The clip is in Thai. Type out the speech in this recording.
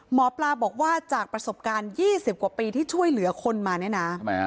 หมอปลาบอกว่าจากประสบการณ์๒๐กว่าปีที่ช่วยเหลือคนมาเนี่ยนะ